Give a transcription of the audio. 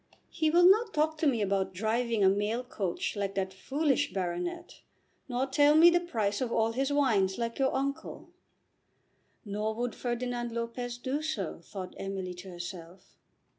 He will not talk to me about driving a mail coach like that foolish baronet, nor tell me the price of all his wines like your uncle." Nor would Ferdinand Lopez do so, thought Emily to herself.